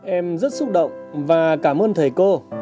em rất xúc động và cảm ơn thầy cô